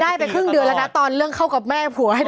ได้ไปครึ่งเดือนแล้วนะตอนเรื่องเข้ากับแม่ผัวให้เธอ